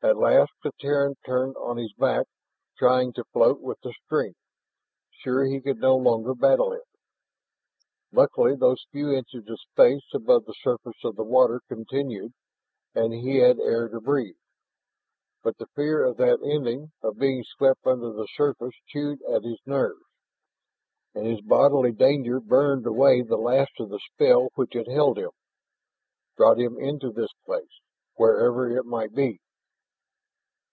At last the Terran turned on his back, trying to float with the stream, sure he could no longer battle it. Luckily those few inches of space above the surface of the water continued, and he had air to breathe. But the fear of that ending, of being swept under the surface, chewed at his nerves. And his bodily danger burned away the last of the spell which had held him, brought him into this place, wherever it might be.